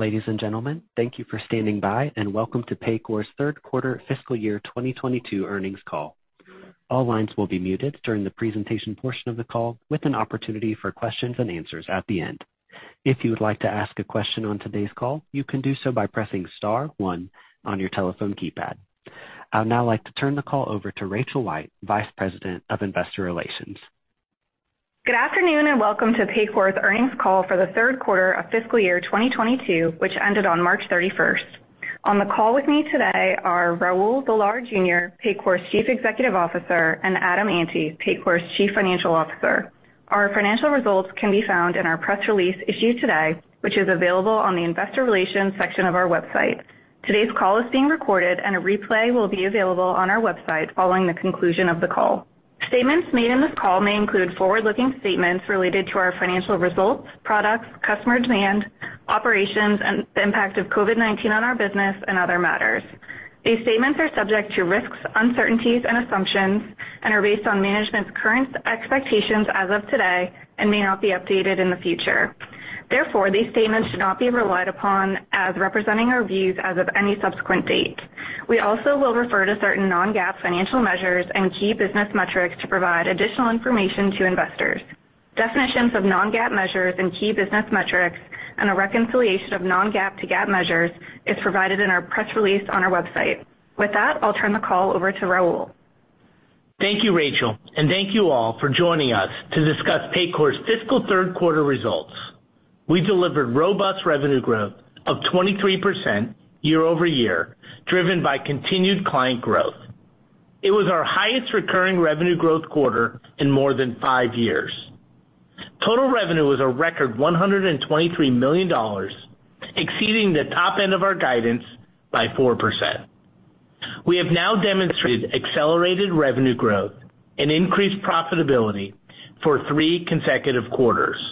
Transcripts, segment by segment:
Ladies and gentlemen, thank you for standing by, and welcome to Paycor's Third Quarter Fiscal Year 2022 Earnings Call. All lines will be muted during the presentation portion of the call, with an opportunity for questions and answers at the end. If you would like to ask a question on today's call, you can do so by pressing star one on your telephone keypad. I'd now like to turn the call over to Rachel White, Vice President of Investor Relations. Good afternoon, and welcome to Paycor's earnings call for the third quarter of fiscal year 2022, which ended on March 31. On the call with me today are Raul Villar Jr., Paycor's Chief Executive Officer, and Adam Ante, Paycor's Chief Financial Officer. Our financial results can be found in our press release issued today, which is available on the investor relations section of our website. Today's call is being recorded, and a replay will be available on our website following the conclusion of the call. Statements made in this call may include forward-looking statements related to our financial results, products, customer demand, operations, and the impact of COVID-19 on our business and other matters. These statements are subject to risks, uncertainties and assumptions, and are based on management's current expectations as of today and may not be updated in the future. Therefore, these statements should not be relied upon as representing our views as of any subsequent date. We also will refer to certain non-GAAP financial measures and key business metrics to provide additional information to investors. Definitions of non-GAAP measures and key business metrics, and a reconciliation of non-GAAP to GAAP measures is provided in our press release on our website. With that, I'll turn the call over to Raul. Thank you, Rachel, and thank you all for joining us to discuss Paycor's fiscal third quarter results. We delivered robust revenue growth of 23% year-over-year, driven by continued client growth. It was our highest recurring revenue growth quarter in more than five years. Total revenue was a record $123 million, exceeding the top end of our guidance by 4%. We have now demonstrated accelerated revenue growth and increased profitability for three consecutive quarters.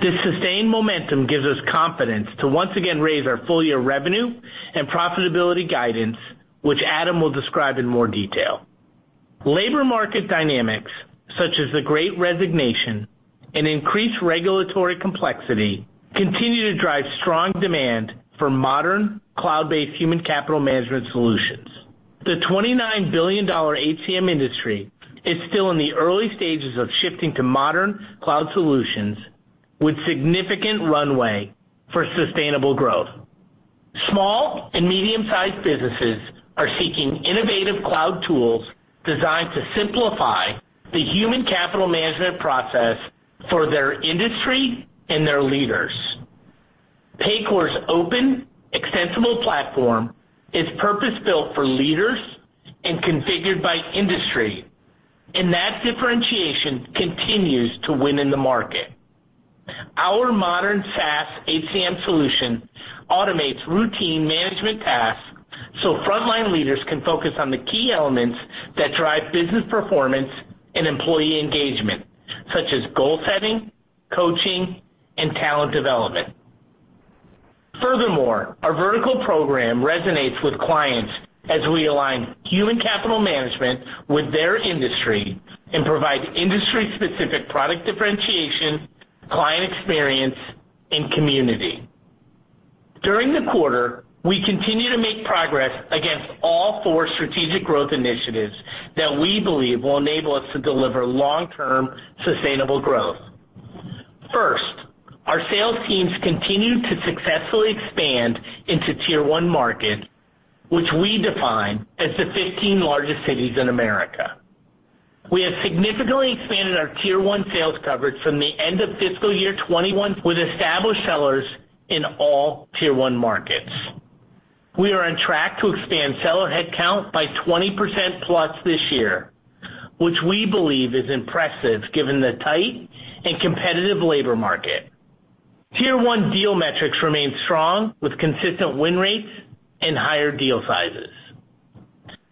This sustained momentum gives us confidence to once again raise our full year revenue and profitability guidance, which Adam will describe in more detail. Labor market dynamics, such as the Great Resignation and increased regulatory complexity, continue to drive strong demand for modern cloud-based human capital management solutions. The $29 billion HCM industry is still in the early stages of shifting to modern cloud solutions with significant runway for sustainable growth. Small and medium-sized businesses are seeking innovative cloud tools designed to simplify the human capital management process for their industry and their leaders. Paycor's open, extensible platform is purpose-built for leaders and configured by industry, and that differentiation continues to win in the market. Our modern SaaS HCM solution automates routine management tasks so frontline leaders can focus on the key elements that drive business performance and employee engagement, such as goal setting, coaching, and talent development. Furthermore, our vertical program resonates with clients as we align human capital management with their industry and provide industry-specific product differentiation, client experience, and community. During the quarter, we continue to make progress against all four strategic growth initiatives that we believe will enable us to deliver long-term sustainable growth. First, our sales teams continue to successfully expand into Tier One market, which we define as the 15 largest cities in America. We have significantly expanded our Tier One sales coverage from the end of fiscal year 2021 with established sellers in all Tier One markets. We are on track to expand seller headcount by 20%+ this year, which we believe is impressive given the tight and competitive labor market. Tier One deal metrics remain strong with consistent win rates and higher deal sizes.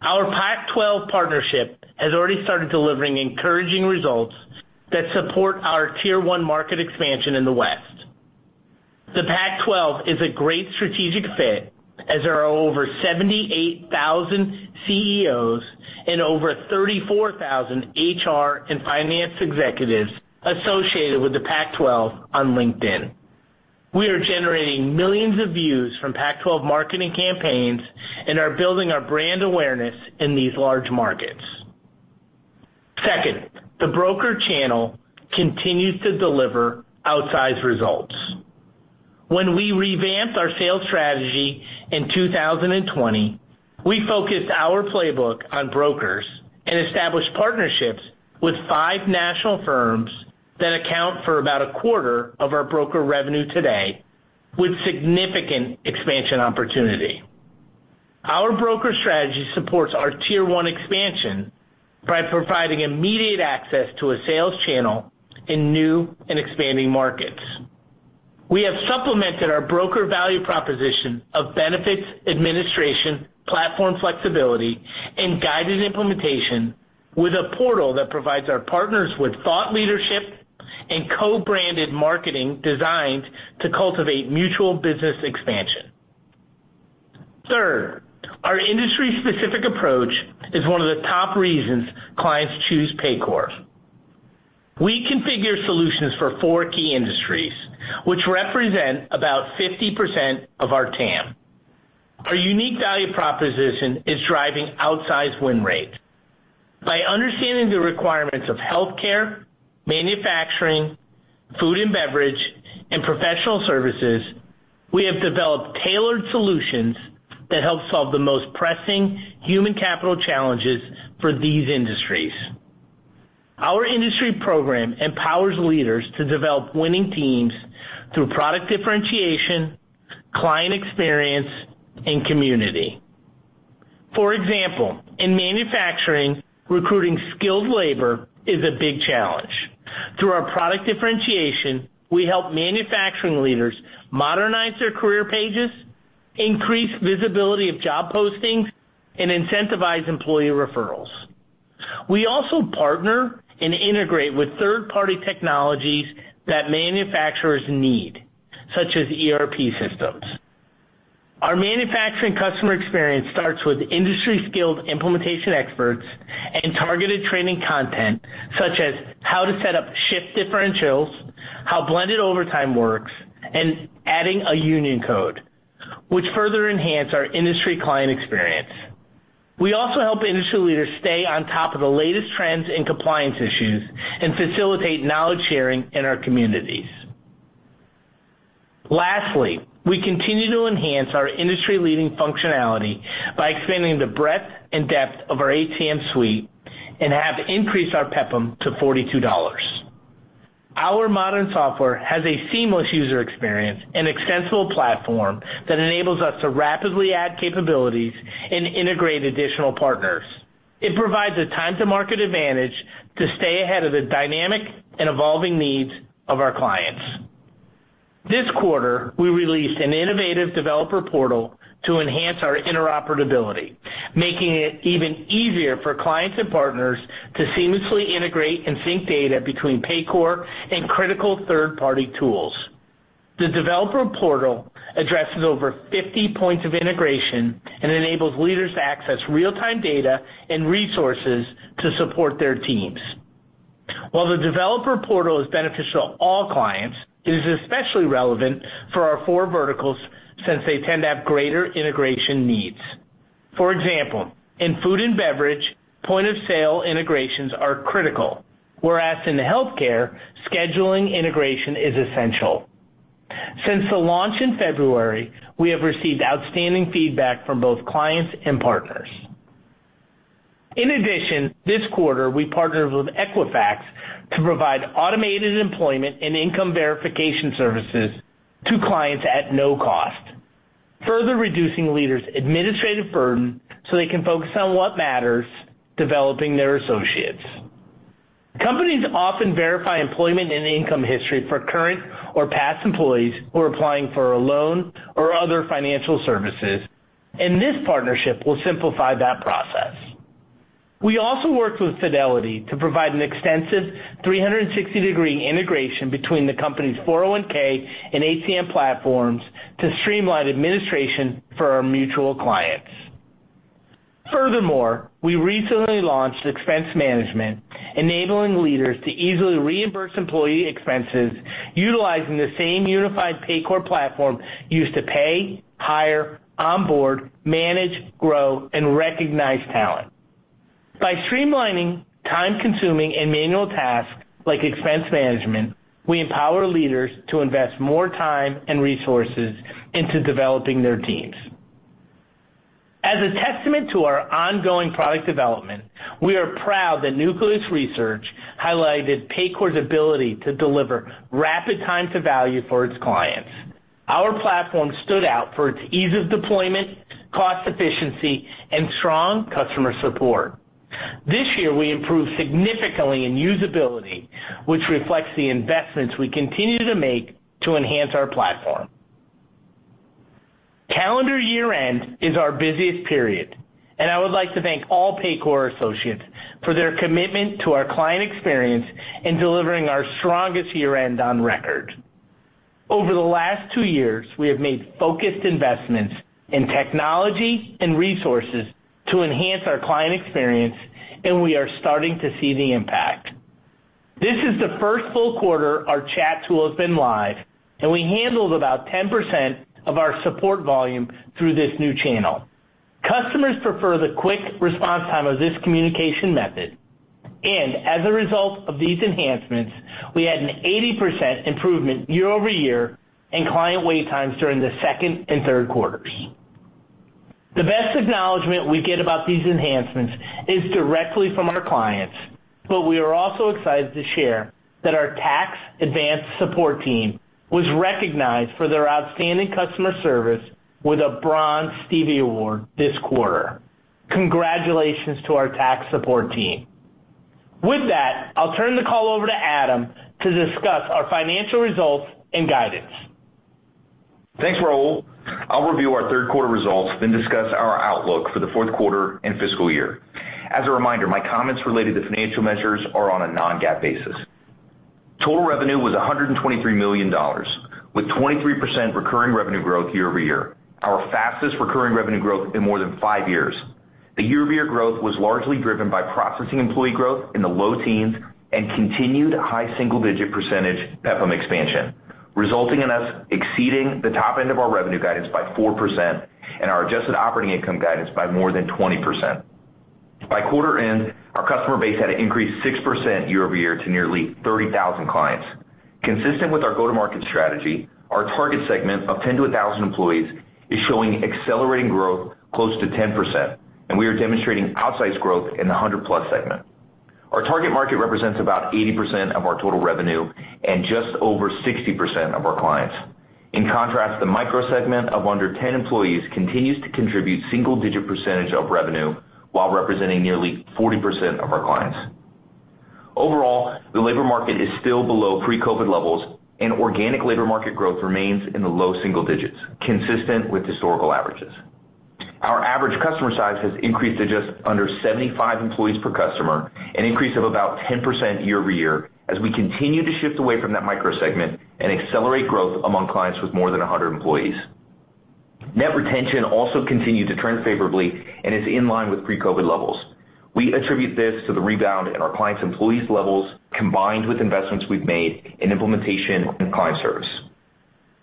Our Pac-12 partnership has already started delivering encouraging results that support our Tier One market expansion in the West. The Pac-12 is a great strategic fit as there are over 78,000 CEOs and over 34,000 HR and finance executives associated with the Pac-12 on LinkedIn. We are generating millions of views from Pac-12 marketing campaigns and are building our brand awareness in these large markets. Second, the broker channel continues to deliver outsized results. When we revamped our sales strategy in 2020, we focused our playbook on brokers and established partnerships with five national firms that account for about a quarter of our broker revenue today, with significant expansion opportunity. Our broker strategy supports our Tier One expansion by providing immediate access to a sales channel in new and expanding markets. We have supplemented our broker value proposition of benefits, administration, platform flexibility, and guided implementation with a portal that provides our partners with thought leadership and co-branded marketing designed to cultivate mutual business expansion. Third, our industry-specific approach is one of the top reasons clients choose Paycor. We configure solutions for four key industries, which represent about 50% of our TAM. Our unique value proposition is driving outsized win rate. By understanding the requirements of healthcare, manufacturing, food and beverage, and professional services, we have developed tailored solutions that help solve the most pressing human capital challenges for these industries. Our industry program empowers leaders to develop winning teams through product differentiation, client experience, and community. For example, in manufacturing, recruiting skilled labor is a big challenge. Through our product differentiation, we help manufacturing leaders modernize their career pages, increase visibility of job postings, and incentivize employee referrals. We also partner and integrate with third-party technologies that manufacturers need, such as ERP systems. Our manufacturing customer experience starts with industry-skilled implementation experts and targeted training content, such as how to set up shift differentials, how blended overtime works, and adding a union code, which further enhance our industry client experience. We also help industry leaders stay on top of the latest trends and compliance issues and facilitate knowledge-sharing in our communities. Lastly, we continue to enhance our industry-leading functionality by expanding the breadth and depth of our HCM suite and have increased our PEPPM to $42. Our modern software has a seamless user experience and extensible platform that enables us to rapidly add capabilities and integrate additional partners. It provides a time-to-market advantage to stay ahead of the dynamic and evolving needs of our clients. This quarter, we released an innovative developer portal to enhance our interoperability, making it even easier for clients and partners to seamlessly integrate and sync data between Paycor and critical third-party tools. The developer portal addresses over 50 points of integration and enables leaders to access real-time data and resources to support their teams. While the developer portal is beneficial to all clients, it is especially relevant for our four verticals since they tend to have greater integration needs. For example, in food and beverage, point-of-sale integrations are critical, whereas in healthcare, scheduling integration is essential. Since the launch in February, we have received outstanding feedback from both clients and partners. In addition, this quarter, we partnered with Equifax to provide automated employment and income verification services to clients at no cost, further reducing leaders' administrative burden so they can focus on what matters, developing their associates. Companies often verify employment and income history for current or past employees who are applying for a loan or other financial services, and this partnership will simplify that process. We also worked with Fidelity to provide an extensive 360-degree integration between the company's 401(k) and HCM platforms to streamline administration for our mutual clients. Furthermore, we recently launched Expense Management, enabling leaders to easily reimburse employee expenses utilizing the same unified Paycor platform used to pay, hire, onboard, manage, grow, and recognize talent. By streamlining time-consuming and manual tasks like expense management, we empower leaders to invest more time and resources into developing their teams. As a testament to our ongoing product development, we are proud that Nucleus Research highlighted Paycor's ability to deliver rapid time to value for its clients. Our platform stood out for its ease of deployment, cost efficiency, and strong customer support. This year, we improved significantly in usability, which reflects the investments we continue to make to enhance our platform. Calendar year-end is our busiest period, and I would like to thank all Paycor associates for their commitment to our client experience in delivering our strongest year-end on record. Over the last two years, we have made focused investments in technology and resources to enhance our client experience, and we are starting to see the impact. This is the first full quarter our chat tool has been live, and we handled about 10% of our support volume through this new channel. Customers prefer the quick response time of this communication method. As a result of these enhancements, we had an 80% improvement year-over-year in client wait times during the second and third quarters. The best acknowledgement we get about these enhancements is directly from our clients, but we are also excited to share that our tax advanced support team was recognized for their outstanding customer service with a Bronze Stevie Award this quarter. Congratulations to our tax support team. With that, I'll turn the call over to Adam to discuss our financial results and guidance. Thanks, Raul. I'll review our third quarter results, then discuss our outlook for the fourth quarter and fiscal year. As a reminder, my comments related to financial measures are on a non-GAAP basis. Total revenue was $123 million, with 23% recurring revenue growth year-over-year, our fastest recurring revenue growth in more than five years. The year-over-year growth was largely driven by processing employee growth in the low teens and continued high single-digit percentage PEPPM expansion, resulting in us exceeding the top end of our revenue guidance by 4% and our adjusted operating income guidance by more than 20%. By quarter end, our customer base had increased 6% year-over-year to nearly 30,000 clients. Consistent with our go-to-market strategy, our target segment of 10-1,000 employees is showing accelerating growth close to 10%, and we are demonstrating outsized growth in the 100+ segment. Our target market represents about 80% of our total revenue and just over 60% of our clients. In contrast, the micro segment of under 10 employees continues to contribute single-digit % of revenue while representing nearly 40% of our clients. Overall, the labor market is still below pre-COVID levels, and organic labor market growth remains in the low single digits%, consistent with historical averages. Our average customer size has increased to just under 75 employees per customer, an increase of about 10% year-over-year, as we continue to shift away from that micro segment and accelerate growth among clients with more than 100 employees. Net retention also continued to trend favorably and is in line with pre-COVID levels. We attribute this to the rebound in our clients' employees levels combined with investments we've made in implementation and client service.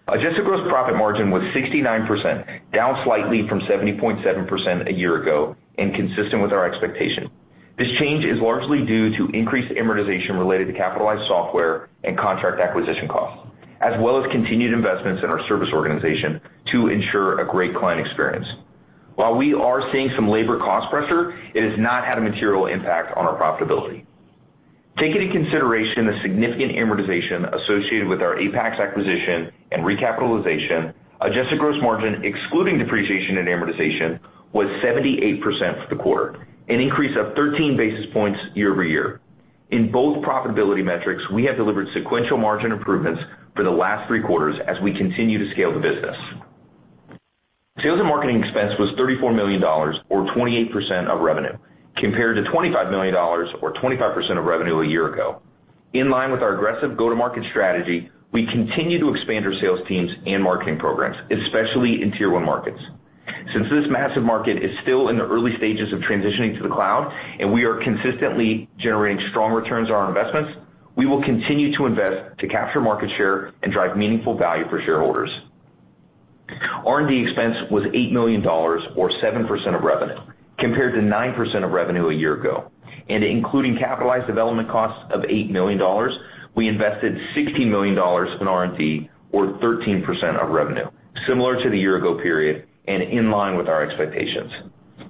Adjusted gross profit margin was 69%, down slightly from 70.7% a year ago and consistent with our expectation. This change is largely due to increased amortization related to capitalized software and contract acquisition costs, as well as continued investments in our service organization to ensure a great client experience. While we are seeing some labor cost pressure, it has not had a material impact on our profitability. Taking into consideration the significant amortization associated with our Apax acquisition and recapitalization, adjusted gross margin, excluding depreciation and amortization, was 78% for the quarter, an increase of 13 basis points year-over-year. In both profitability metrics, we have delivered sequential margin improvements for the last three quarters as we continue to scale the business. Sales and marketing expense was $34 million or 28% of revenue, compared to $25 million or 25% of revenue a year ago. In line with our aggressive go-to-market strategy, we continue to expand our sales teams and marketing programs, especially in Tier One markets. Since this massive market is still in the early stages of transitioning to the cloud, and we are consistently generating strong returns on our investments, we will continue to invest to capture market share and drive meaningful value for shareholders. R&D expense was $8 million or 7% of revenue, compared to 9% of revenue a year ago. Including capitalized development costs of $8 million, we invested $60 million in R&D or 13% of revenue, similar to the year ago period and in line with our expectations.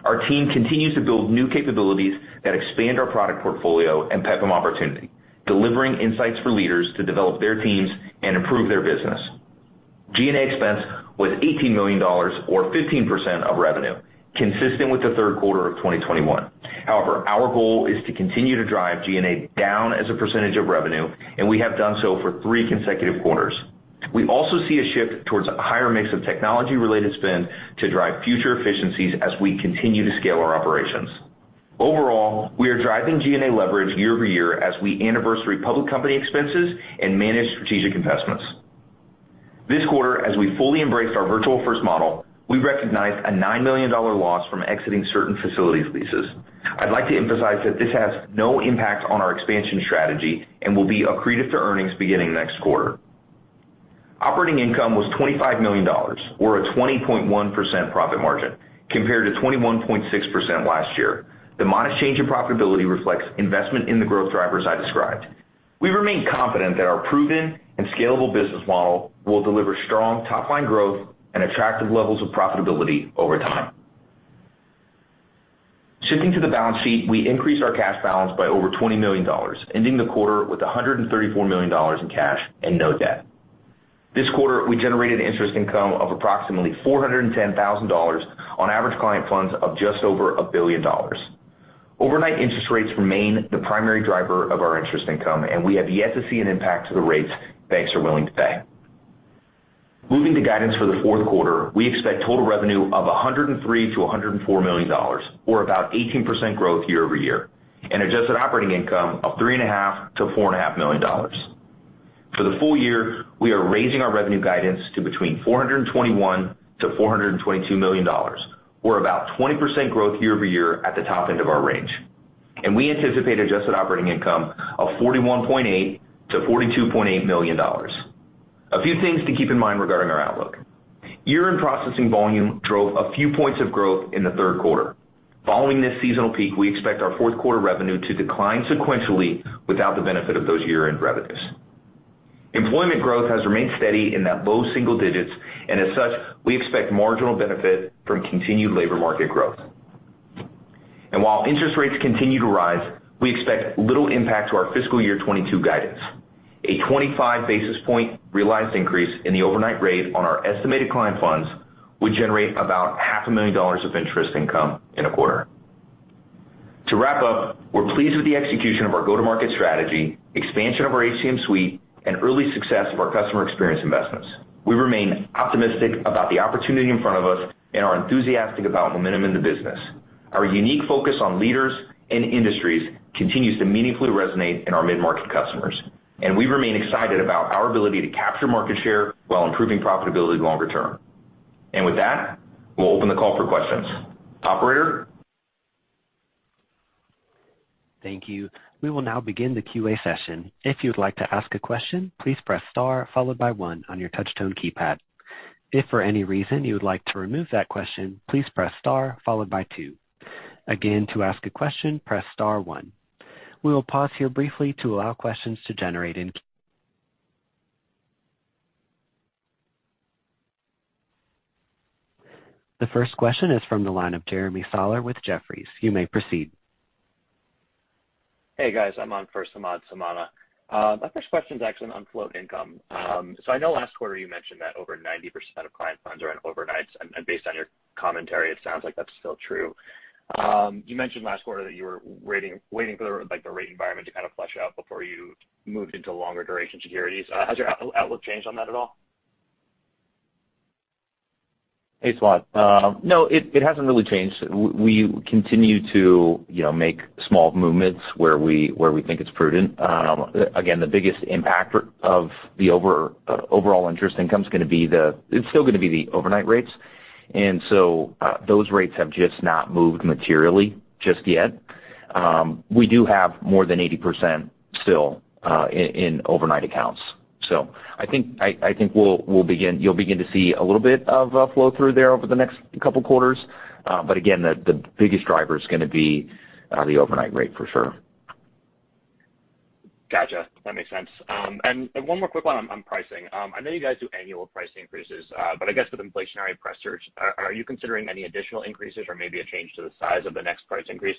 Our team continues to build new capabilities that expand our product portfolio and PEPPM opportunity, delivering insights for leaders to develop their teams and improve their business. G&A expense was $18 million or 15% of revenue, consistent with the third quarter of 2021. However, our goal is to continue to drive G&A down as a percentage of revenue, and we have done so for three consecutive quarters. We also see a shift towards a higher mix of technology-related spend to drive future efficiencies as we continue to scale our operations. Overall, we are driving G&A leverage year-over-year as we anniversary public company expenses and manage strategic investments. This quarter, as we fully embraced our virtual first model, we recognized a $9 million loss from exiting certain facilities leases. I'd like to emphasize that this has no impact on our expansion strategy and will be accretive to earnings beginning next quarter. Operating income was $25 million or a 20.1% profit margin compared to 21.6% last year. The modest change in profitability reflects investment in the growth drivers I described. We remain confident that our proven and scalable business model will deliver strong top-line growth and attractive levels of profitability over time. Shifting to the balance sheet, we increased our cash balance by over $20 million, ending the quarter with $134 million in cash and no debt. This quarter, we generated interest income of approximately $410,000 on average client funds of just over $1 billion. Overnight interest rates remain the primary driver of our interest income, and we have yet to see an impact to the rates banks are willing to pay. Moving to guidance for the fourth quarter, we expect total revenue of $103 million-$104 million or about 18% growth year-over-year, and adjusted operating income of $3.5 million-$4.5 million. For the full year, we are raising our revenue guidance to between $421 million-$422 million, or about 20% growth year-over-year at the top end of our range. We anticipate adjusted operating income of $41.8 million-$42.8 million. A few things to keep in mind regarding our outlook. Year-end processing volume drove a few points of growth in the third quarter. Following this seasonal peak, we expect our fourth quarter revenue to decline sequentially without the benefit of those year-end revenues. Employment growth has remained steady in that low single digits, and as such, we expect marginal benefit from continued labor market growth. While interest rates continue to rise, we expect little impact to our fiscal year 2022 guidance. A 25 basis point realized increase in the overnight rate on our estimated client funds would generate about half a million dollars of interest income in a quarter. To wrap up, we're pleased with the execution of our go-to-market strategy, expansion of our HCM suite, and early success of our customer experience investments. We remain optimistic about the opportunity in front of us and are enthusiastic about momentum in the business. Our unique focus on leaders and industries continues to meaningfully resonate in our mid-market customers. We remain excited about our ability to capture market share while improving profitability longer term. With that, we'll open the call for questions. Operator? Thank you. We will now begin the Q&A session. If you'd like to ask a question, please press star followed by one on your touch tone keypad. If for any reason you would like to remove that question, please press star followed by two. Again, to ask a question, press star one. We will pause here briefly to allow questions to generate in. The first question is from the line of Jeremy Sahler with Jefferies. You may proceed. Hey, guys. I'm on for Samad Samana. My first question is actually on float income. So I know last quarter you mentioned that over 90% of client funds are in overnights, and based on your commentary, it sounds like that's still true. You mentioned last quarter that you were waiting for the, like, the rate environment to kind of flush out before you moved into longer duration securities. Has your outlook changed on that at all? Hey, Samad. No, it hasn't really changed. We continue to, you know, make small movements where we think it's prudent. Again, the biggest impact of the overall interest income is gonna be the overnight rates. It's still gonna be the overnight rates. Those rates have just not moved materially just yet. We do have more than 80% still in overnight accounts. I think you'll begin to see a little bit of flow through there over the next couple quarters. Again, the biggest driver is gonna be the overnight rate for sure. Gotcha. That makes sense. One more quick one on pricing. I know you guys do annual price increases, but I guess with inflationary pressures, are you considering any additional increases or maybe a change to the size of the next price increase?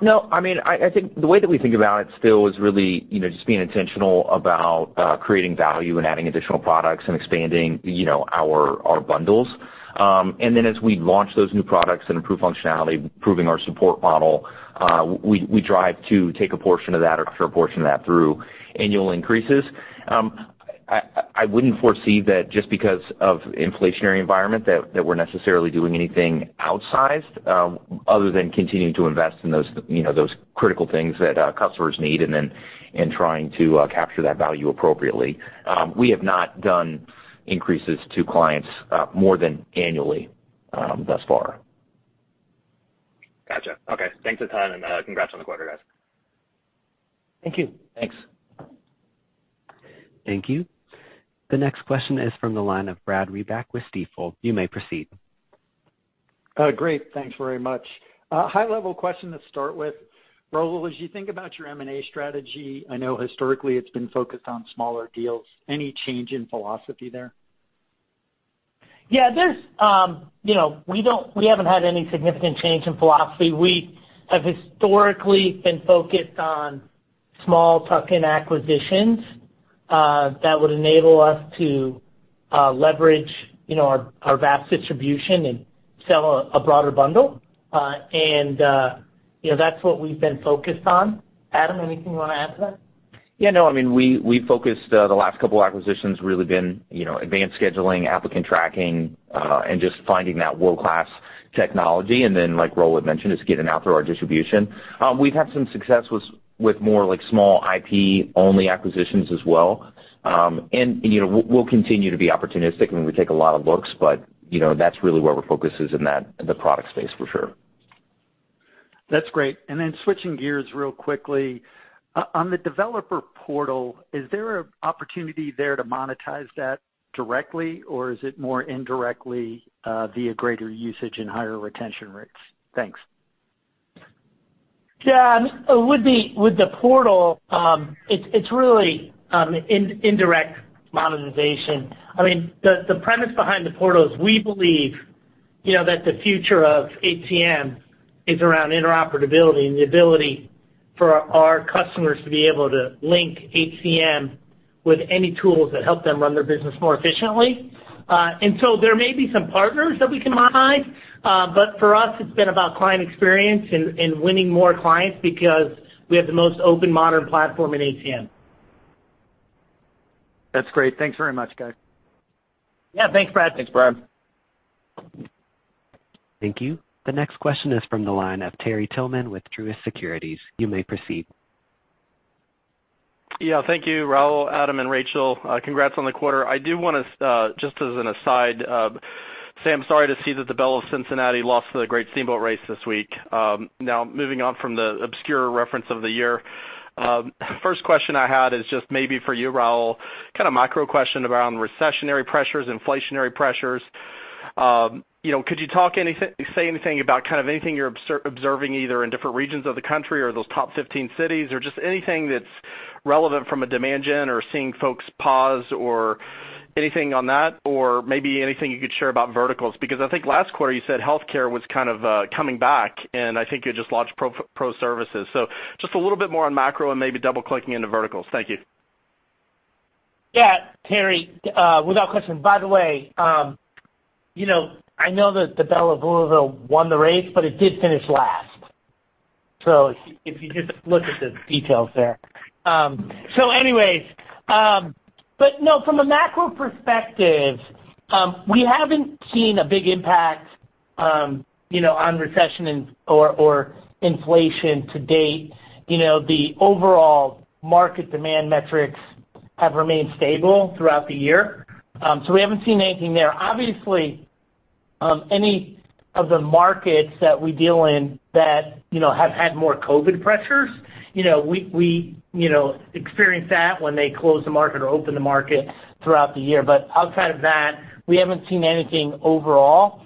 No. I mean, I think the way that we think about it still is really, you know, just being intentional about creating value and adding additional products and expanding, you know, our bundles. As we launch those new products and improve functionality, improving our support model, we drive to take a portion of that or capture a portion of that through annual increases. I wouldn't foresee that just because of inflationary environment that we're necessarily doing anything outsized, other than continuing to invest in those, you know, those critical things that customers need and trying to capture that value appropriately. We have not done increases to clients more than annually thus far. Gotcha. Okay. Thanks a ton, congrats on the quarter, guys. Thank you. Thanks. Thank you. The next question is from the line of Brad Reback with Stifel. You may proceed. Great. Thanks very much. High level question to start with. Raul, as you think about your M&A strategy, I know historically it's been focused on smaller deals. Any change in philosophy there? Yeah. There's you know we haven't had any significant change in philosophy. We have historically been focused on small tuck-in acquisitions that would enable us to leverage you know our vast distribution and sell a broader bundle. You know that's what we've been focused on. Adam anything you wanna add to that? Yeah no. I mean we focused the last couple of acquisitions really been you know advanced scheduling applicant tracking and just finding that world-class technology. Like Raul had mentioned just get it out through our distribution. We've had some success with more like small IP-only acquisitions as well. You know we'll continue to be opportunistic and we take a lot of looks but you know that's really where our focus is in that the product space for sure. That's great. Switching gears real quickly. On the developer portal, is there opportunity there to monetize that directly, or is it more indirectly, via greater usage and higher retention rates? Thanks. Yeah. With the portal, it's really indirect monetization. I mean, the premise behind the portal is we believe, you know, that the future of HCM is around interoperability and the ability for our customers to be able to link HCM with any tools that help them run their business more efficiently. There may be some partners that we can monetize, but for us it's been about client experience and winning more clients because we have the most open modern platform in HCM. That's great. Thanks very much, guys. Yeah, thanks, Brad. Thank you. The next question is from the line of Terry Tillman with Truist Securities. You may proceed. Yeah. Thank you, Raul, Adam, and Rachel. Congrats on the quarter. I do want to just as an aside say I'm sorry to see that the Belle of Louisville lost to the Great Steamboat Race this week. Now moving on from the obscure reference of the year. First question I had is just maybe for you, Raul. Kinda macro question around recessionary pressures, inflationary pressures. You know, could you say anything about kind of anything you're observing either in different regions of the country or those top 15 cities or just anything that's relevant from a demand gen or seeing folks pause or anything on that, or maybe anything you could share about verticals? Because I think last quarter you said healthcare was kind of coming back, and I think you just launched pro services. just a little bit more on macro and maybe double-clicking into verticals. Thank you. Yeah, Terry. Without question. By the way, you know, I know that the Belle of Louisville won the race, but it did finish last. If you just look at the details there. From a macro perspective, we haven't seen a big impact, you know, on recession or inflation to date. You know, the overall market demand metrics have remained stable throughout the year. We haven't seen anything there. Obviously, any of the markets that we deal in that, you know, have had more COVID pressures, you know, we experience that when they close the market or open the market throughout the year. Outside of that, we haven't seen anything overall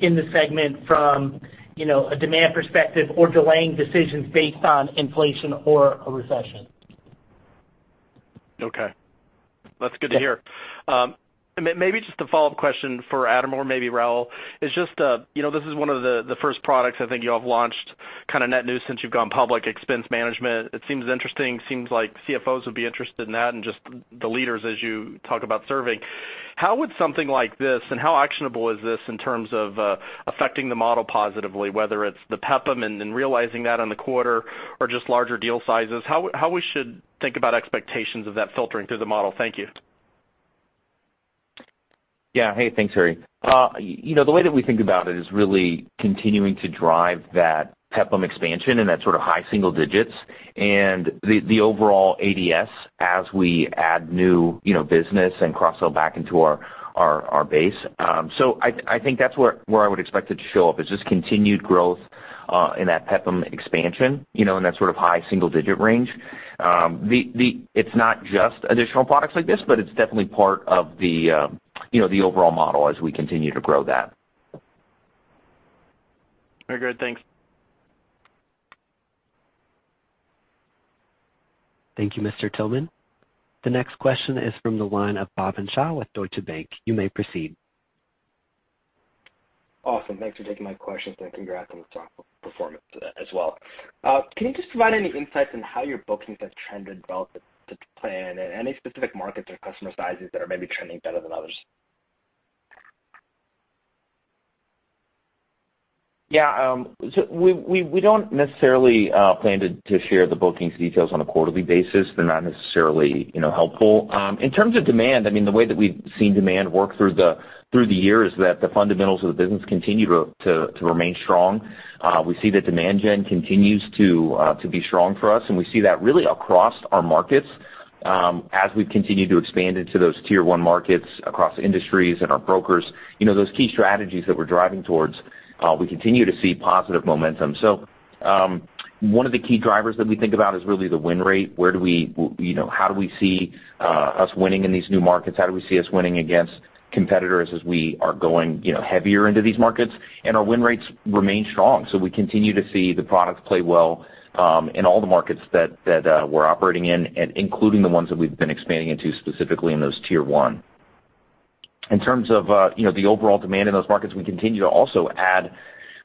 in the segment from, you know, a demand perspective or delaying decisions based on inflation or a recession. Okay. That's good to hear. Maybe just a follow-up question for Adam or maybe Raul. It's just, you know, this is one of the first products I think you all have launched kind of net new since you've gone public, expense management. It seems interesting. Seems like CFOs would be interested in that and just the leaders as you talk about serving. How would something like this and how actionable is this in terms of affecting the model positively, whether it's the PEPPM and then realizing that on the quarter or just larger deal sizes? How we should think about expectations of that filtering through the model? Thank you. Yeah. Hey, thanks, Terry. You know, the way that we think about it is really continuing to drive that PEPPM expansion and that sort of high single digits and the overall ADS as we add new, you know, business and cross-sell back into our base. I think that's where I would expect it to show up is just continued growth in that PEPPM expansion, you know, in that sort of high single-digit range. It's not just additional products like this, but it's definitely part of the overall model as we continue to grow that. Very good. Thanks. Thank you, Mr. Tillman. The next question is from the line of Bhavin Shah with Deutsche Bank. You may proceed. Awesome. Thanks for taking my questions, and congrats on the strong performance as well. Can you just provide any insights on how your bookings have trended relative to plan, and any specific markets or customer sizes that are maybe trending better than others? Yeah. We don't necessarily plan to share the bookings details on a quarterly basis. They're not necessarily, you know, helpful. In terms of demand, I mean, the way that we've seen demand work through the year is that the fundamentals of the business continue to remain strong. We see that demand gen continues to be strong for us, and we see that really across our markets, as we've continued to expand into those Tier One markets across industries and our brokers. You know, those key strategies that we're driving towards, we continue to see positive momentum. One of the key drivers that we think about is really the win rate. Where do we, you know, how do we see us winning in these new markets? How do we see us winning against competitors as we are going, you know, heavier into these markets? Our win rates remain strong. We continue to see the products play well in all the markets that we're operating in and including the ones that we've been expanding into specifically in those Tier One. In terms of you know, the overall demand in those markets, we continue to also add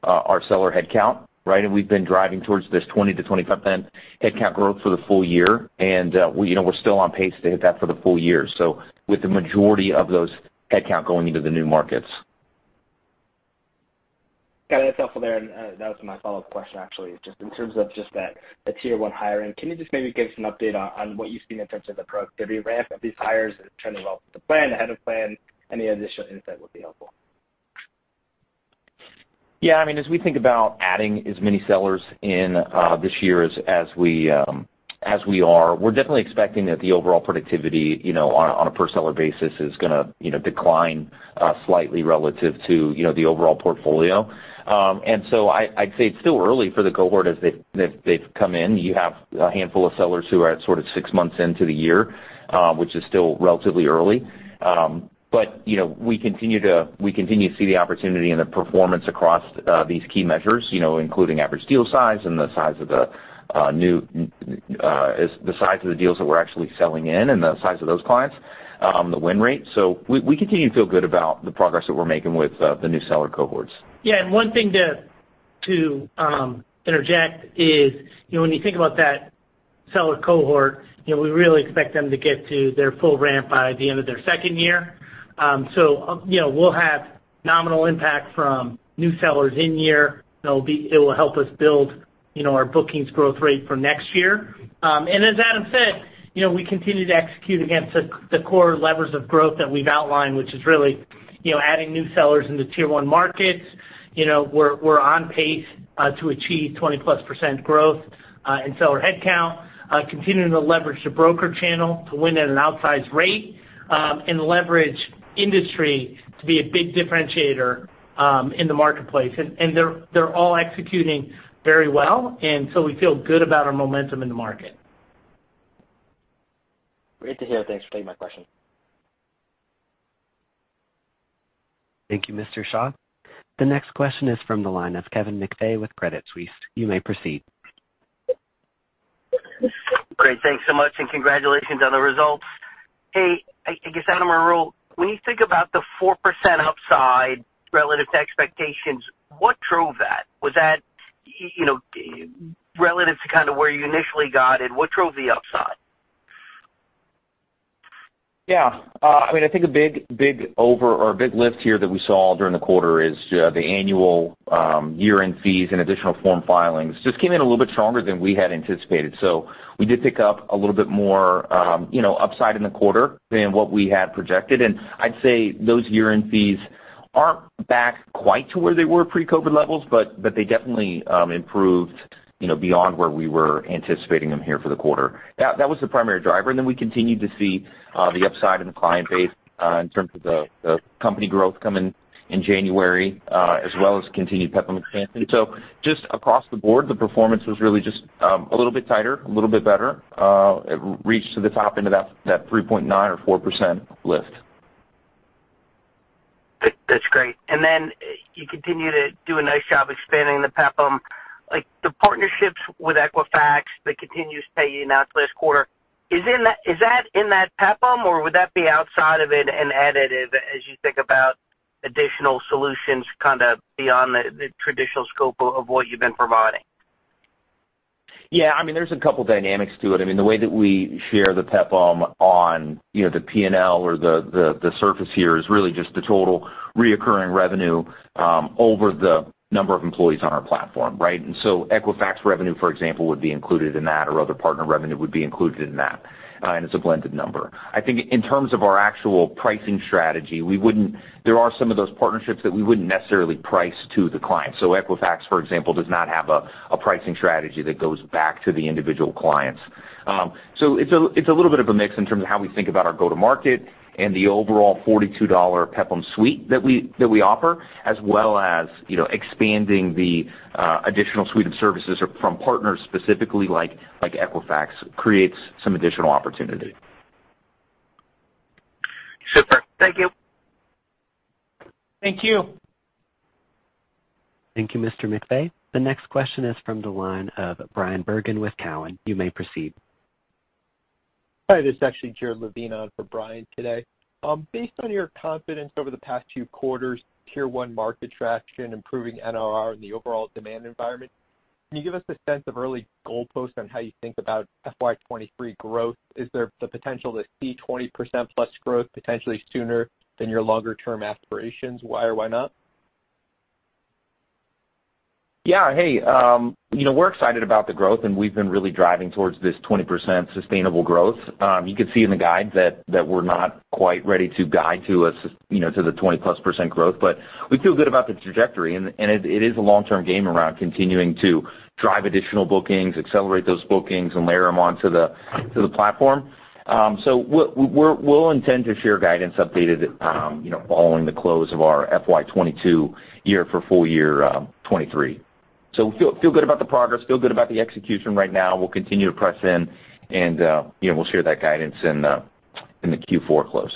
our seller headcount, right? We've been driving towards this 20%-25% headcount growth for the full year. We you know, we're still on pace to hit that for the full year, so with the majority of those headcount going into the new markets. Got it. That's helpful there. That was my follow-up question, actually. Just in terms of just that, the Tier One hiring, can you just maybe give some update on what you've seen in terms of the productivity ramp of these hires trending well with the plan, ahead of plan? Any additional insight would be helpful. Yeah. I mean, as we think about adding as many sellers in this year as we are, we're definitely expecting that the overall productivity, you know, on a per seller basis is gonna decline, you know, slightly relative to the overall portfolio. I'd say it's still early for the cohort as they've come in. You have a handful of sellers who are at sort of six months into the year, which is still relatively early. We continue to see the opportunity and the performance across these key measures, you know, including average deal size and the size of the deals that we're actually selling in and the size of those clients, the win rate. We continue to feel good about the progress that we're making with the new seller cohorts. Yeah, one thing to interject is, you know, when you think about that seller cohort, you know, we really expect them to get to their full ramp by the end of their second year. So, you know, we'll have nominal impact from new sellers in year. It will help us build, you know, our bookings growth rate for next year. As Adam said, you know, we continue to execute against the core levers of growth that we've outlined, which is really, you know, adding new sellers in the Tier One markets. You know, we're on pace to achieve 20%+ growth in seller headcount, continuing to leverage the broker channel to win at an outsized rate, and leverage industry to be a big differentiator in the marketplace. They're all executing very well, and so we feel good about our momentum in the market. Great to hear. Thanks for taking my question. Thank you, Mr. Shah. The next question is from the line of Kevin McVeigh with Credit Suisse. You may proceed. Great. Thanks so much, and congratulations on the results. Hey, I guess, Adam or Raul, when you think about the 4% upside relative to expectations, what drove that? Was that, you know, relative to kind of where you initially got in, what drove the upside? Yeah. I mean, I think a big over or a big lift here that we saw during the quarter is the annual year-end fees and additional form filings. Just came in a little bit stronger than we had anticipated. We did pick up a little bit more, you know, upside in the quarter than what we had projected. I'd say those year-end fees aren't back quite to where they were pre-COVID levels, but they definitely improved, you know, beyond where we were anticipating them here for the quarter. That was the primary driver. We continued to see the upside in the client base in terms of the company growth coming in January as well as continued PEPPM expansion. Just across the board, the performance was really just a little bit tighter, a little bit better. It reached to the top into that 3.9% or 4% lift. That's great. You continue to do a nice job expanding the PEPPM. Like, the partnerships with Equifax that continues to pay you out this quarter, is that in that PEPPM, or would that be outside of it and additive as you think about additional solutions kind of beyond the traditional scope of what you've been providing? Yeah, I mean, there's a couple dynamics to it. I mean, the way that we share the PEPPM on, you know, the P&L or the surface here is really just the total recurring revenue over the number of employees on our platform, right? Equifax revenue, for example, would be included in that, or other partner revenue would be included in that, and it's a blended number. I think in terms of our actual pricing strategy, we wouldn't. There are some of those partnerships that we wouldn't necessarily price to the client. Equifax, for example, does not have a pricing strategy that goes back to the individual clients. It's a little bit of a mix in terms of how we think about our go-to-market and the overall $42 PEPPM suite that we offer, as well as, you know, expanding the additional suite of services or from partners specifically like Equifax creates some additional opportunity. Super. Thank you. Thank you. Thank you, Mr. McVeigh. The next question is from the line of Brian Bergen with Cowen. You may proceed. Hi, this is actually Jared Levine on for Brian today. Based on your confidence over the past few quarters, Tier One market traction, improving NRR and the overall demand environment, can you give us a sense of early goalpost on how you think about FY 2023 growth? Is there the potential to see 20%+ growth potentially sooner than your longer term aspirations? Why or why not? Yeah. Hey, you know, we're excited about the growth, and we've been really driving towards this 20% sustainable growth. You could see in the guide that we're not quite ready to guide to, you know, to the 20%+ growth. We feel good about the trajectory and it is a long-term game around continuing to drive additional bookings, accelerate those bookings and layer them onto the platform. We'll intend to share guidance updated, you know, following the close of our FY 2022 year for full year 2023. Feel good about the progress, feel good about the execution right now. We'll continue to press in and, you know, we'll share that guidance in the Q4 close.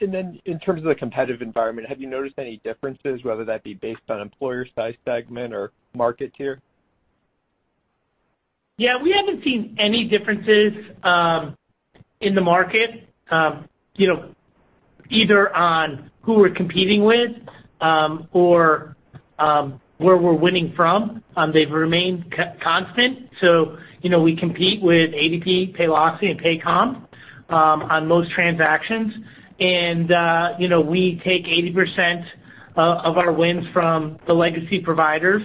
In terms of the competitive environment, have you noticed any differences, whether that be based on employer size, segment, or market tier? Yeah, we haven't seen any differences in the market, you know, either on who we're competing with, or where we're winning from. They've remained constant. You know, we compete with ADP, Paylocity, and Paycom on most transactions. You know, we take 80% of our wins from the legacy providers,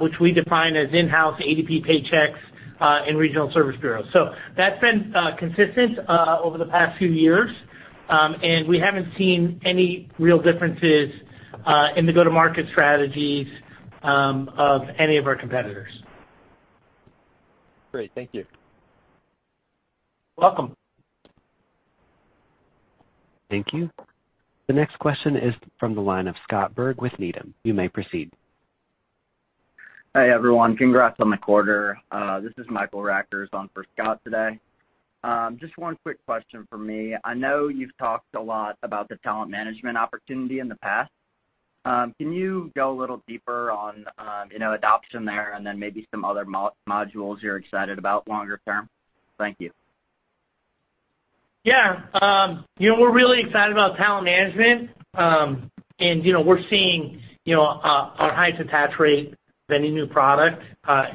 which we define as in-house ADP, Paychex and regional service bureaus. That's been consistent over the past few years. We haven't seen any real differences in the go-to-market strategies of any of our competitors. Great. Thank you. Welcome. Thank you. The next question is from the line of Scott Berg with Needham. You may proceed. Hi, everyone. Congrats on the quarter. This is Michael Rackers on for Scott today. Just one quick question from me. I know you've talked a lot about the talent management opportunity in the past. Can you go a little deeper on, you know, adoption there and then maybe some other modules you're excited about longer term? Thank you. Yeah. You know, we're really excited about talent management. You know, we're seeing, you know, our highest attach rate of any new product.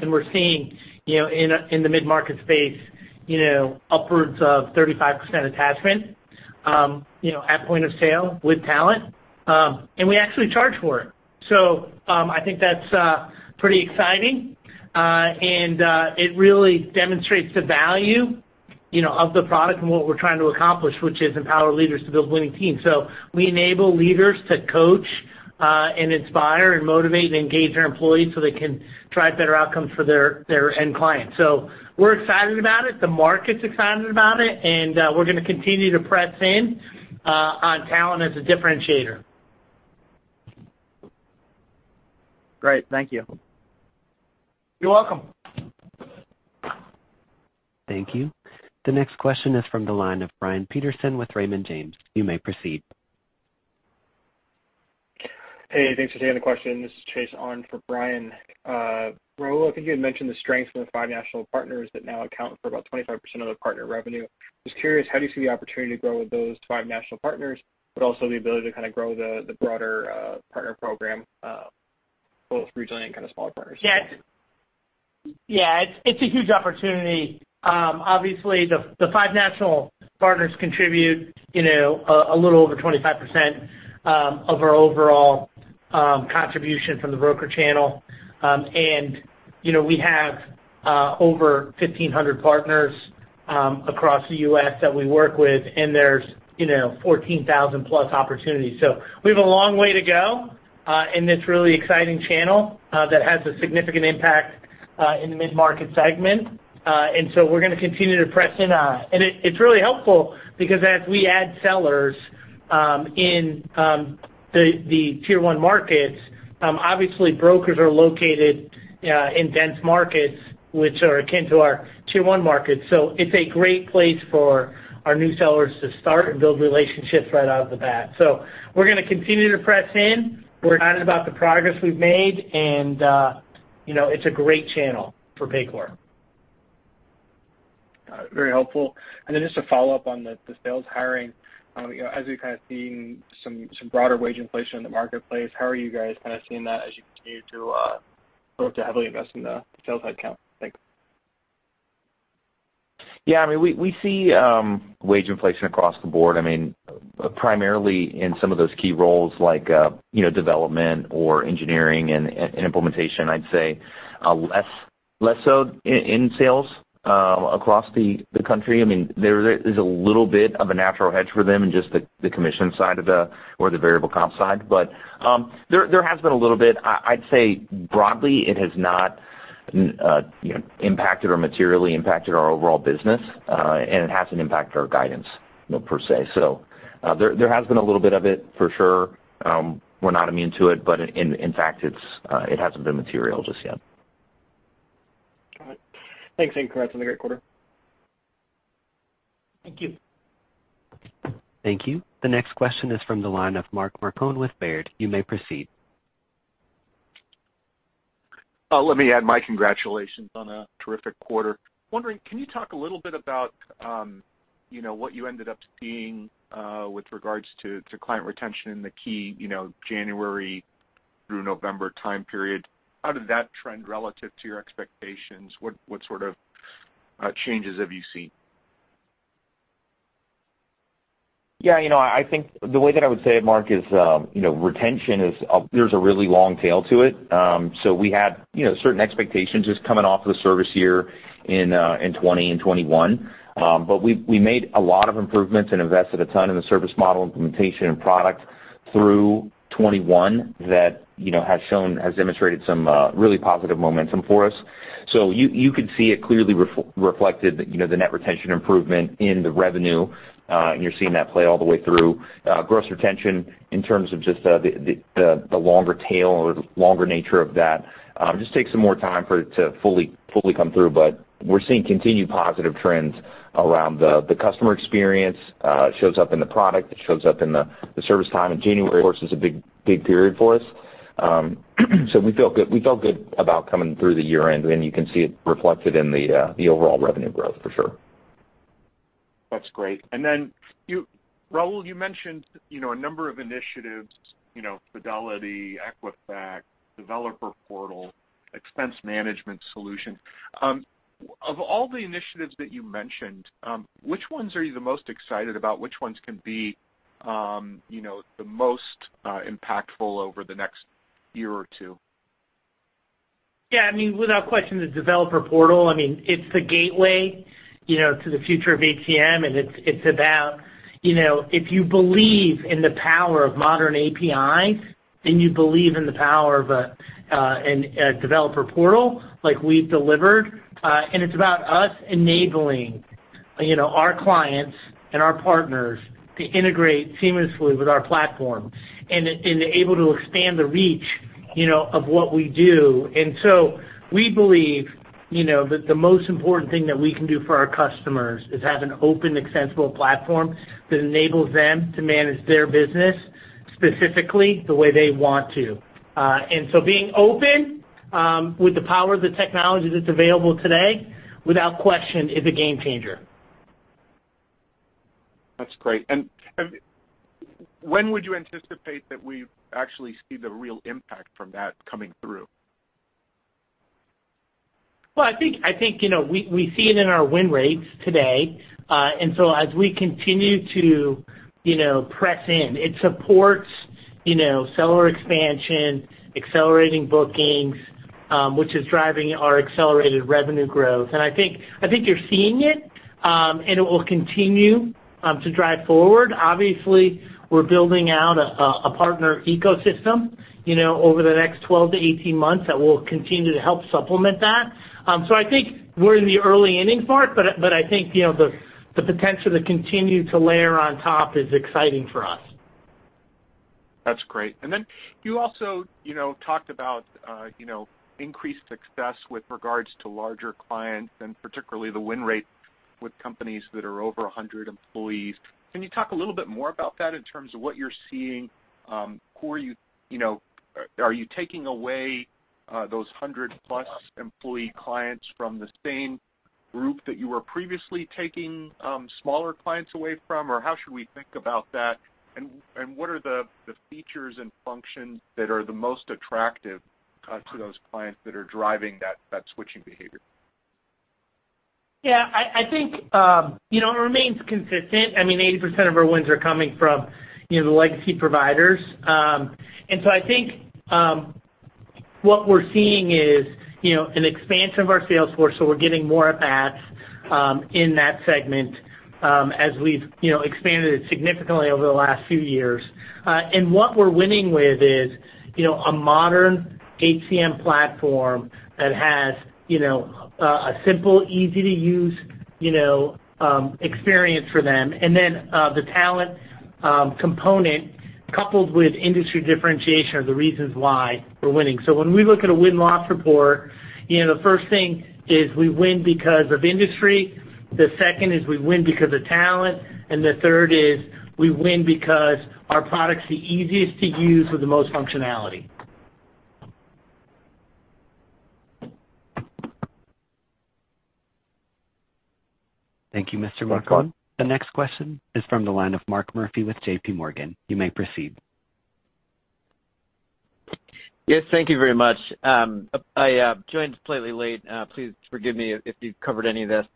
We're seeing, you know, in the mid-market space, you know, upwards of 35% attachment, you know, at point of sale with talent. We actually charge for it. I think that's pretty exciting. It really demonstrates the value, you know, of the product and what we're trying to accomplish, which is empower leaders to build winning teams. We enable leaders to coach and inspire and motivate and engage their employees so they can drive better outcomes for their end clients. We're excited about it, the market's excited about it, and we're gonna continue to press in on talent as a differentiator. Great. Thank you. You're welcome. Thank you. The next question is from the line of Brian Peterson with Raymond James. You may proceed. Hey, thanks for taking the question. This is Chase on for Brian. Raul, I think you had mentioned the strength from the five national partners that now account for about 25% of the partner revenue. Just curious, how do you see the opportunity to grow with those five national partners, but also the ability to kind of grow the broader partner program both regionally and kind of smaller partners? Yeah, it's a huge opportunity. Obviously, the five national partners contribute, you know, a little over 25% of our overall contribution from the broker channel. We have over 1,500 partners across the U.S. that we work with, and there's, you know, 14,000+ opportunities. We have a long way to go in this really exciting channel that has a significant impact in the mid-market segment. We're gonna continue to press in on it. It's really helpful because as we add sellers in the Tier One markets, obviously brokers are located in dense markets which are akin to our Tier One markets. It's a great place for our new sellers to start and build relationships right out of the gate. We're gonna continue to press in. We're excited about the progress we've made, and, you know, it's a great channel for Paycor. Got it. Very helpful. Then just to follow up on the sales hiring, you know, as you're kind of seeing some broader wage inflation in the marketplace, how are you guys kind of seeing that as you continue to look to heavily invest in the sales headcount? Thanks. Yeah, I mean, we see wage inflation across the board. I mean, primarily in some of those key roles like, you know, development or engineering and implementation. I'd say, less so in sales across the country. I mean, there's a little bit of a natural hedge for them in just the commission side or the variable comp side. There has been a little bit. I'd say broadly, it has not, you know, impacted or materially impacted our overall business, and it hasn't impacted our guidance per se. There has been a little bit of it for sure. We're not immune to it, but in fact, it hasn't been material just yet. All right. Thanks, and congrats on the great quarter. Thank you. Thank you. The next question is from the line of Mark Marcon with Baird. You may proceed. Let me add my congratulations on a terrific quarter. Wondering, can you talk a little bit about, you know, what you ended up seeing with regards to client retention in the key, you know, January through November time period? How did that trend relative to your expectations? What sort of changes have you seen? Yeah, you know, I think the way that I would say it, Mark, is, you know, retention is. There's a really long tail to it. We had, you know, certain expectations just coming off of the service year in 2020 and 2021. We made a lot of improvements and invested a ton in the service model implementation and product through 2021 that, you know, has shown, has demonstrated some really positive momentum for us. You could see it clearly reflected. That you know, the net retention improvement in the revenue, and you're seeing that play all the way through. Gross retention in terms of just the longer tail or longer nature of that just takes some more time for it to fully come through. We're seeing continued positive trends around the customer experience. It shows up in the product. It shows up in the service time. January, of course, is a big period for us. We feel good about coming through the year-end, and you can see it reflected in the overall revenue growth for sure. That's great. You, Raul, you mentioned, you know, a number of initiatives, you know, Fidelity, Equifax, developer portal, expense management solution. Of all the initiatives that you mentioned, which ones are you the most excited about? Which ones can be, you know, the most impactful over the next year or two? I mean, without question, the developer portal, I mean, it's the gateway, you know, to the future of HCM, and it's about, you know, if you believe in the power of modern APIs, then you believe in the power of a developer portal like we've delivered. It's about us enabling, you know, our clients and our partners to integrate seamlessly with our platform and able to expand the reach, you know, of what we do. We believe, you know, that the most important thing that we can do for our customers is have an open, accessible platform that enables them to manage their business specifically the way they want to. Being open, with the power of the technology that's available today, without question, is a game changer. That's great. When would you anticipate that we actually see the real impact from that coming through? Well, I think you know we see it in our win rates today. As we continue to you know press in, it supports you know seller expansion, accelerating bookings, which is driving our accelerated revenue growth. I think you're seeing it and it will continue to drive forward. Obviously, we're building out a partner ecosystem you know over the next 12-18 months that will continue to help supplement that. I think we're in the early innings, Mark, but I think you know the potential to continue to layer on top is exciting for us. That's great. You also, you know, talked about, you know, increased success with regards to larger clients and particularly the win rate with companies that are over 100 employees. Can you talk a little bit more about that in terms of what you're seeing? Are you taking away those 100+ employee clients from the same group that you were previously taking smaller clients away from? Or how should we think about that? What are the features and functions that are the most attractive to those clients that are driving that switching behavior? Yeah, I think, you know, it remains consistent. I mean, 80% of our wins are coming from, you know, the legacy providers. I think what we're seeing is, you know, an expansion of our sales force, so we're getting more at-bats in that segment as we've, you know, expanded it significantly over the last few years. What we're winning with is, you know, a modern HCM platform that has, you know, a simple, easy-to-use, you know, experience for them. Then the talent component coupled with industry differentiation are the reasons why we're winning. When we look at a win-loss report, you know, the first thing is we win because of industry, the second is we win because of talent, and the third is we win because our product's the easiest to use with the most functionality. Thank you, Mr. Marcon. The next question is from the line of Mark Murphy with J.P. Morgan. You may proceed. Yes, thank you very much. I joined completely late. Please forgive me if you've covered any of this.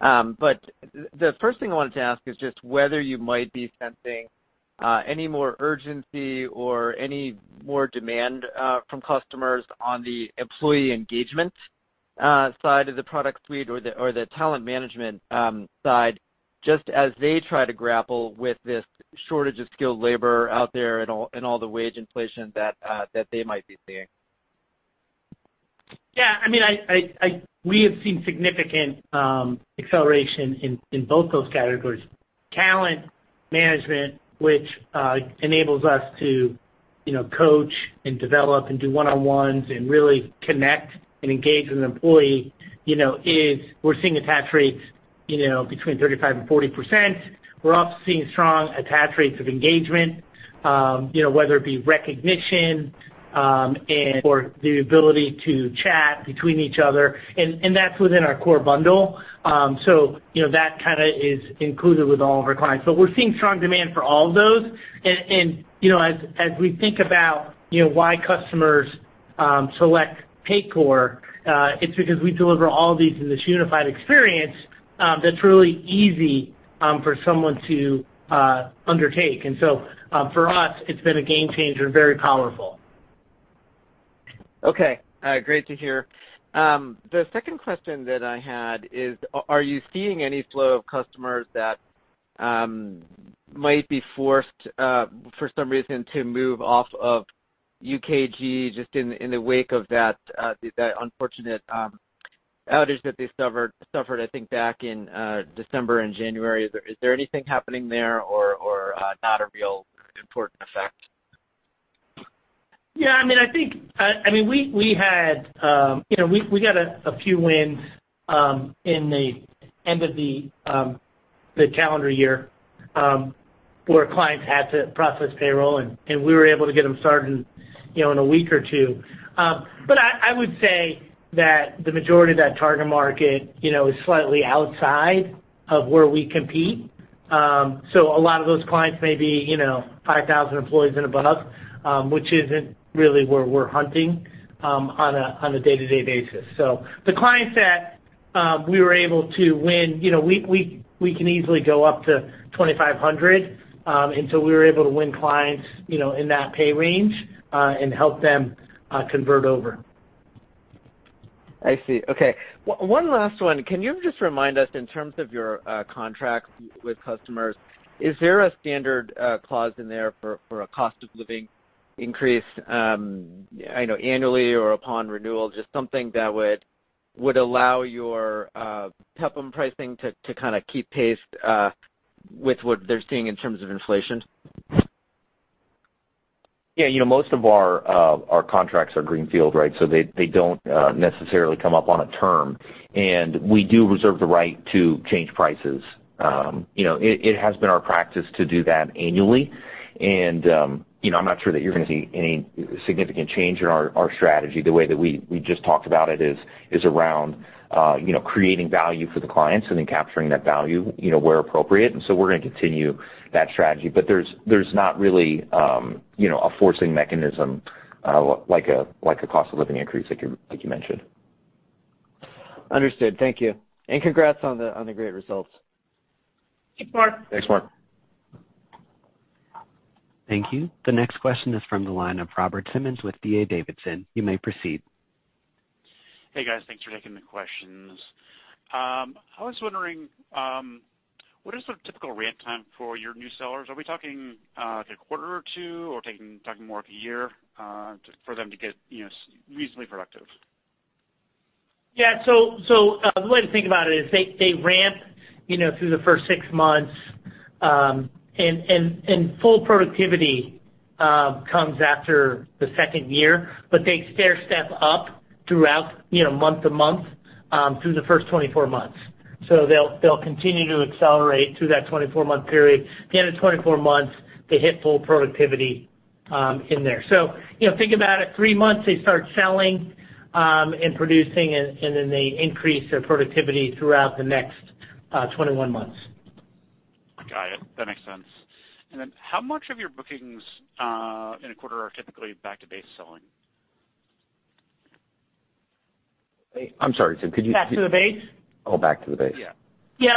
The first thing I wanted to ask is just whether you might be sensing any more urgency or any more demand from customers on the employee engagement side of the product suite or the talent management side, just as they try to grapple with this shortage of skilled labor out there and all the wage inflation that they might be seeing. Yeah, I mean, we have seen significant acceleration in both those categories. Talent management, which enables us to coach and develop and do one-on-ones and really connect and engage with an employee, you know. We're seeing attach rates, you know, between 35% and 40%. We're also seeing strong attach rates of engagement, you know, whether it be recognition and/or the ability to chat between each other, and that's within our core bundle. You know, that kinda is included with all of our clients. We're seeing strong demand for all of those. You know, as we think about, you know, why customers select Paycor, it's because we deliver all of these in this unified experience, that's really easy for someone to undertake. For us, it's been a game changer, very powerful. Okay. Great to hear. The second question that I had is are you seeing any flow of customers that might be forced for some reason to move off of UKG just in the wake of that unfortunate outage that they suffered I think back in December and January? Is there anything happening there or not a real important effect? Yeah, I mean, we had, you know, we got a few wins in the end of the calendar year where clients had to process payroll, and we were able to get them started, you know, in a week or two. I would say that the majority of that target market, you know, is slightly outside of where we compete. A lot of those clients may be, you know, 5,000 employees and above, which isn't really where we're hunting on a day-to-day basis. The clients that we were able to win, you know, we can easily go up to 2,500. We were able to win clients, you know, in that pay range and help them convert over. I see. Okay. One last one. Can you just remind us in terms of your contract with customers, is there a standard clause in there for a cost of living increase, I know annually or upon renewal, just something that would allow your PEPPM pricing to kind of keep pace with what they're seeing in terms of inflation? Yeah, you know, most of our contracts are greenfield, right? They don't necessarily come up on a term. We do reserve the right to change prices. You know, it has been our practice to do that annually. You know, I'm not sure that you're gonna see any significant change in our strategy. The way that we just talked about it is around you know, creating value for the clients and then capturing that value, you know, where appropriate. We're gonna continue that strategy. There's not really you know, a forcing mechanism like a cost of living increase like you mentioned. Understood. Thank you. Congrats on the great results. Thanks, Mark. Thanks, Mark. Thank you. The next question is from the line of Robert Simmons with D.A. Davidson. You may proceed. Hey, guys. Thanks for taking the questions. I was wondering, what is the typical ramp time for your new sellers? Are we talking, like a quarter or 2, or talking more of a year, just for them to get, you know, reasonably productive? Yeah. The way to think about it is they ramp, you know, through the first six months, and full productivity comes after the second year. They stair-step up throughout, you know, month to month, through the first 24 months. They'll continue to accelerate through that 24-month period. At the end of 24 months, they hit full productivity in there. You know, think about it, three months, they start selling and producing, and then they increase their productivity throughout the next 21 months. Got it. That makes sense. How much of your bookings, in a quarter, are typically back to base selling? I'm sorry, Tim, could you? Back to the base? Oh, back to the base. Yeah. Yeah,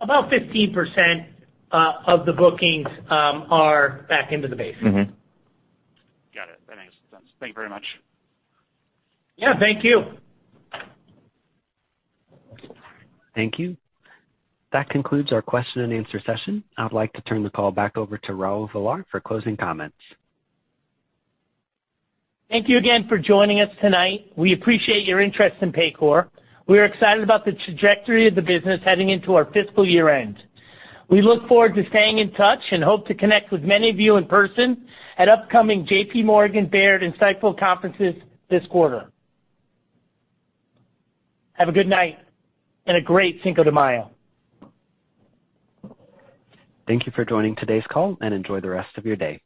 about 15% of the bookings are back into the base. Mm-hmm. Got it. That makes sense. Thank you very much. Yeah, thank you. Thank you. That concludes our question and answer session. I'd like to turn the call back over to Raul Villar for closing comments. Thank you again for joining us tonight. We appreciate your interest in Paycor. We are excited about the trajectory of the business heading into our fiscal year-end. We look forward to staying in touch and hope to connect with many of you in person at upcoming J.P. Morgan and Baird conferences this quarter. Have a good night and a great Cinco de Mayo. Thank you for joining today's call, and enjoy the rest of your day.